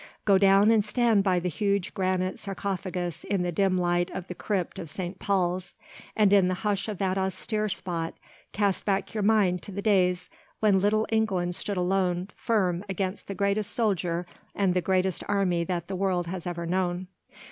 Go down and stand by the huge granite sarcophagus in the dim light of the crypt of St. Paul's, and in the hush of that austere spot, cast back your mind to the days when little England alone stood firm against the greatest soldier and the greatest army that the world has ever known.